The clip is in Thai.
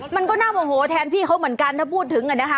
มันก็น่าโมโหแทนพี่เขาเหมือนกันถ้าพูดถึงอ่ะนะคะ